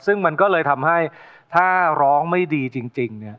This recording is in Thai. ซึ่งมันก็เลยทำให้ถ้าร้องไม่ดีจริงเนี่ย